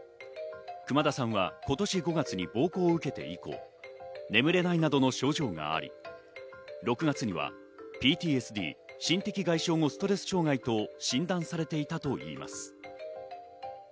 熊田さんは今年５月に暴行を受けて以降、眠れないなどの症状があり、６月にはＰＴＳＤ＝心的外傷後ストレス障害と診断されていたといいます。